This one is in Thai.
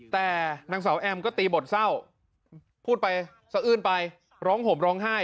แต่นางสาวแอมก็ตีบทเศร้าพูดไปสะอื้นไปร้องห่มร้องไห้